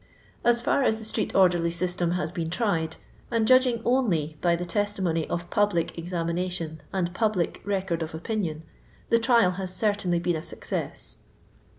As fiir as the street orderly system has been tried, and judging only by the testimony of public examination and public record of opinion, the trial has certainly been a success.